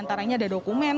makanya ada dokumen